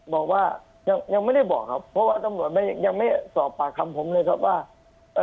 บอกว่ายังยังไม่ได้บอกครับเพราะว่าตำรวจไม่ยังไม่สอบปากคำผมเลยครับว่าเอ่อ